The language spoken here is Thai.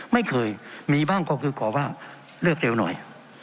ไม่เคยมีบ้างก็คือขอบ้างเลือกเร็วหน่อย